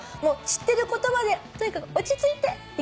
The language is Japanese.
知ってる言葉でとにかく落ち着いて。